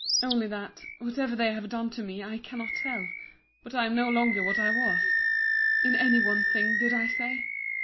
—Only that, whatever they have done to me, I cannot tell; but I am no longer what I was—in any one thing did I say?